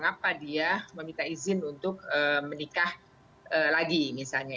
siapa yang meminta izin untuk menikah lagi misalnya